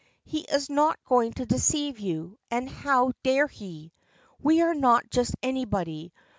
He is not going to deceive you, and how dare he? We are not just anybody.